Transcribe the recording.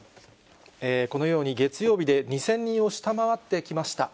このように、月曜日で２０００人を下回ってきました。